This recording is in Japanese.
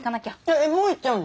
えっもう行っちゃうの？